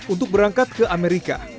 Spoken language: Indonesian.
untuk berangkat ke amerika